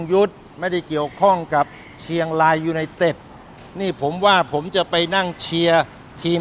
ยุทธ์ไม่ได้เกี่ยวข้องกับเชียงรายยูไนเต็ปนี่ผมว่าผมจะไปนั่งเชียร์ทีม